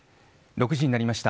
６時になりました。